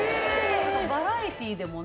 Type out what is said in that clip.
バラエティでもね。